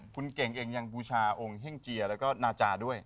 คุณเก่งเองยังบูชาองค์เฮ่งเจียแล้วก็นาจาด้วย